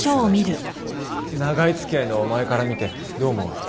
長い付き合いのお前から見てどう思う？